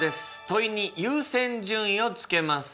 問いに優先順位をつけます。